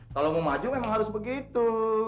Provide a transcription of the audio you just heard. kalau mau maju memang harus begitu